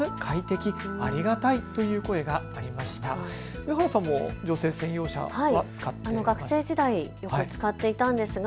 上原さんも女性専用車、使ったことありますか。